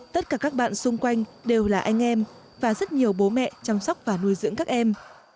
tất cả các bạn xung quanh đều là anh em và rất nhiều bố mẹ chăm sóc và nuôi dưỡng các em